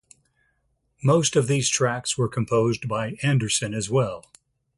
Most of these tracks were composed by Anderson as well.